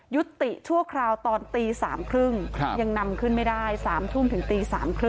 ชั่วคราวตอนตี๓๓๐ยังนำขึ้นไม่ได้๓ทุ่มถึงตี๓๓๐